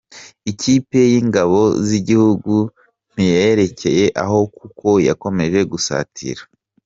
Iyi kipe y’ingabo z’igihugu ntiyarekeye aho kuko yakomeje gusatira.